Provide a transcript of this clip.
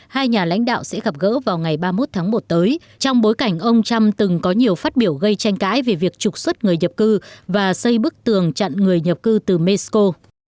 hai nhà lãnh đạo sẽ gặp gỡ vào ngày ba mươi một tháng một tới trong bối cảnh ông trump từng có nhiều phát biểu gây tranh cãi về việc trục xuất người nhập cư và xây bức tường chặn người nhập cư từ mexico